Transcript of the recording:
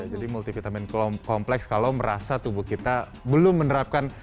jadi multivitamin kompleks kalau merasa tubuh kita belum menerapkan